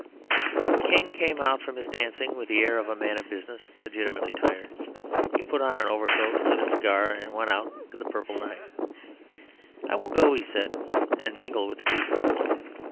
The King came out from his dancing with the air of a man of business legitimately tired. He put on an overcoat, lit a cigar, and went out into the purple night. [Illustration: "I'M KING OF THE CASTLE."] "I will go," he said, "and mingle with the people."